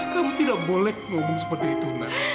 kamu tidak boleh ngomong seperti itu